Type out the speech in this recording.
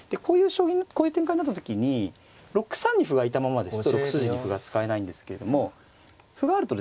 こういう展開になった時に６三に歩がいたままですと６筋に歩が使えないんですけれども歩があるとですね